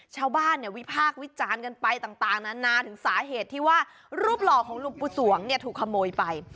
ชาวบ้านเนี่ยวิพากษ์วิจารณ์กันไปต่างนานาถึงสาเหตุที่ว่ารูปหล่อของหลวงปู่สวงเนี่ยถูกขโมยไป